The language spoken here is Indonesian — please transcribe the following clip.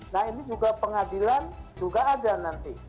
nah ini juga pengadilan juga ada nanti